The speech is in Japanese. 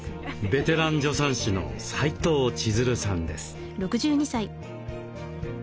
ベテラン助産師の斉藤千鶴さんです。